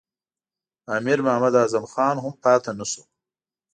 امیر محمد اعظم خان هم پاته نه شو.